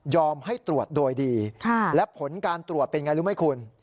ให้ตรวจโดยดีและผลการตรวจเป็นไงรู้ไหมคุณ